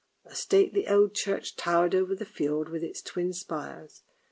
A stately old Church towered over the fiord, with its twin spires.